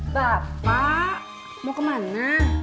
bapak mau kemana